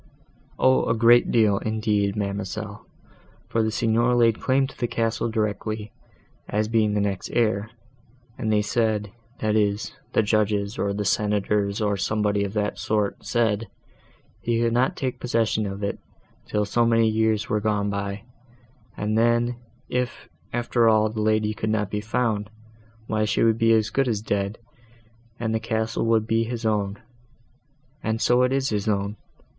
"O! a great deal, indeed, ma'amselle, for the Signor laid claim to the castle directly, as being the next heir, and they said, that is, the judges, or the senators, or somebody of that sort, said, he could not take possession of it till so many years were gone by, and then, if, after all, the lady could not be found, why she would be as good as dead, and the castle would be his own; and so it is his own.